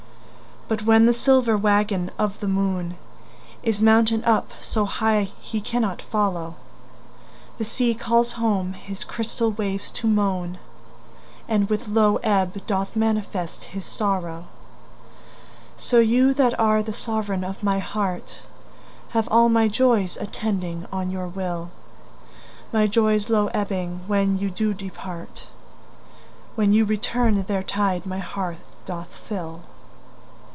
But when the silver waggon of the moon Is mounted up so high he cannot follow, The sea calls home his crystal waves to moan, And with low ebb doth manifest his sorrow. So you that are the sovereign of my heart Have all my joys attending on your will; My joys low ebbing when you do depart, When you return their tide my heart doth fill.